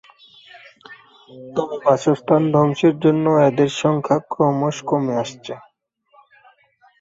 তবে বাসস্থানের ধ্বংসের জন্য এদের সংখ্যা ক্রমশ কমে আসছে।